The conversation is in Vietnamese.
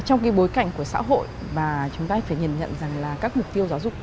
trong cái bối cảnh của xã hội và chúng ta phải nhìn nhận rằng là các mục tiêu giáo dục